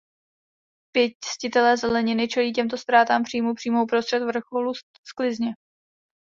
Pěstitelé zeleniny čelí těmto ztrátám příjmu přímo uprostřed vrcholu sklizně.